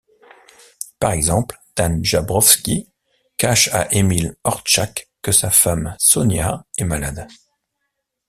Par exemple, Dan Jabrowski cache à Emile Hortchak que sa femme Sonia est malade.